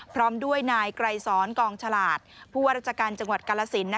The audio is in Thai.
พร้อมด้วยนายไกรสอนกองฉลาดผู้ว่าราชการจังหวัดกาลสิน